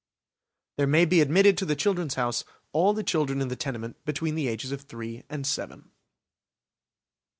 There may be admitted to the "Children's House" all the children in the tenement between the ages of three and seven.